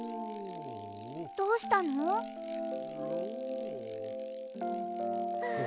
どうしたの？わ！